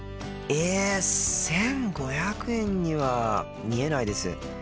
え１５００円には見えないです。